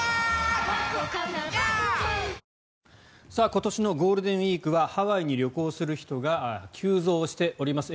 今年のゴールデンウィークはハワイに旅行する人が急増しております。